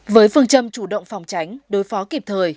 với phương châm chủ động phòng tránh đối phó kịp thời